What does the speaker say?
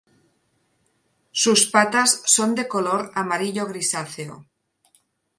Sus patas son de color amarillo grisáceo.